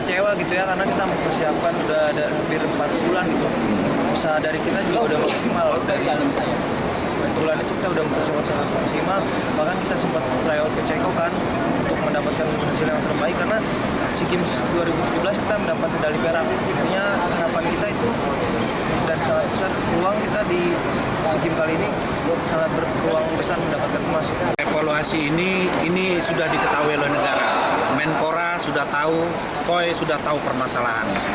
evaluasi ini sudah diketahui oleh negara menpora sudah tahu koi sudah tahu permasalahan